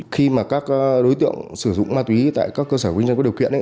khi mà các đối tượng sử dụng ma túy tại các cơ sở kinh doanh có điều kiện